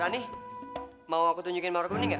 rani mau aku tunjukin mawar kuning gak